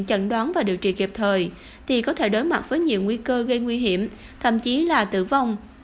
chẩn đoán và điều trị kịp thời thì có thể đối mặt với nhiều nguy cơ gây nguy hiểm thậm chí là tử vong